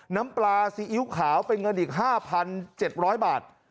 น้ำปลาซีอิ๊วขาวเป็นเงินอีก๕๗๐๐บาท